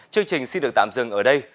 chương trình xin được tạm dừng ở đây